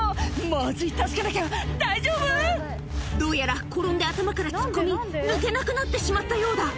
まずい助けなきゃ大丈夫⁉」どうやら転んで頭から突っ込み抜けなくなってしまったようだ